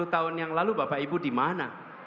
lima puluh tahun yang lalu bapak ibu dimana